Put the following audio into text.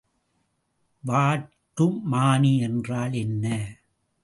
வாட்டுமானி என்றால் என்ன?